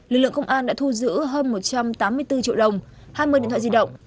lực lượng công an đã thu giữ hơn một trăm tám mươi bốn triệu đồng hai mươi điện thoại di động